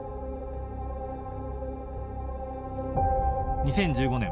２０１５年。